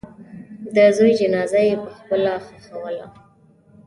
د زوی جنازه یې پخپله ښخوله.